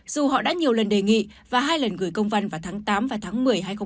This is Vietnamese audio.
dù họ đã nhiều lần đề nghị và hai lần gửi công văn vào tháng tám và tháng một mươi hai nghìn hai mươi ba